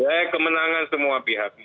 ya kemenangan semua pihak